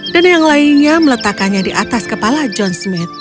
dan yang lainnya meletakkannya di atas kepala john smith